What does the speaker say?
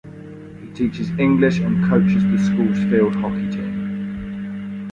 He teaches English and coaches the school's field hockey team.